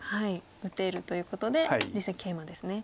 打てるということで実戦ケイマですね。